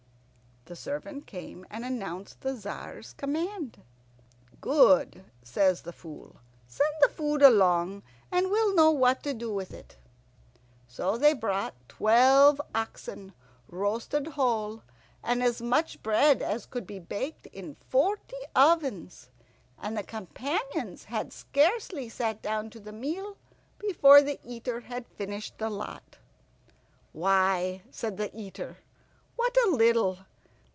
The servant came, and announced the Tzar's command. "Good," says the Fool. "Send the food along, and we'll know what to do with it." So they brought twelve oxen roasted whole, and as much bread as could be baked in forty ovens, and the companions had scarcely sat down to the meal before the Eater had finished the lot. "Why," said the Eater, "what a little!